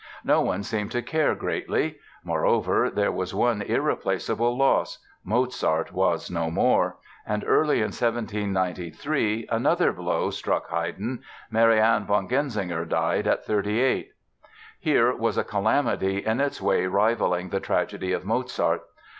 No one seemed to care greatly. Moreover, there was one irreplaceable loss; Mozart was no more; and early in 1793 another blow struck Haydn—Marianne von Genzinger died at 38. Here was a calamity in its way rivaling the tragedy of Mozart.